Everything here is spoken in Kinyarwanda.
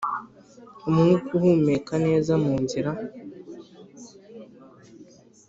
umwuka uhumeka neza munzira